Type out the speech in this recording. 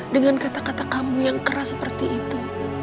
dengan kata kata kamu yang keras seperti itu